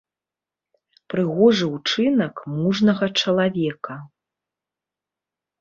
Прыгожы ўчынак мужнага чалавека.